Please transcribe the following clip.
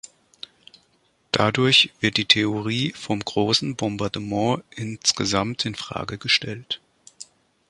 Dadurch wird die Theorie vom Großen Bombardement insgesamt in Frage gestellt.